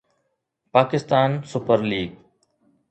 Pakistan super league